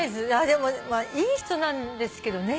でもいい人なんですけどね。